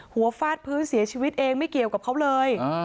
ฟาดพื้นเสียชีวิตเองไม่เกี่ยวกับเขาเลย